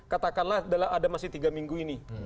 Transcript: katakanlah ada masih tiga minggu ini